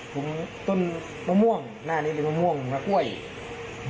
ฝุ่มต้นมะม่วงมะกรานก็ค่ะ